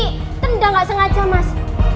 kita udah enggak sengaja mas